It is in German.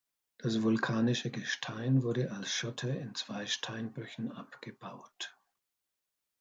Das vulkanische Gestein wurde als Schotter in zwei Steinbrüchen abgebaut.